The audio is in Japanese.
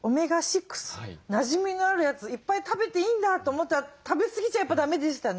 なじみのあるやついっぱい食べていいんだと思ったら食べすぎちゃやっぱだめでしたね。